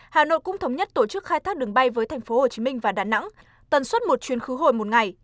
hà nội cũng thống nhất tổ chức khai thác đường bay với tp hcm và đà nẵng tần suất một chuyến khứ hồi một ngày